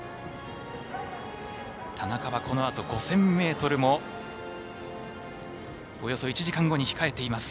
田中はこのあと５０００ｍもおよそ１時間後に控えています。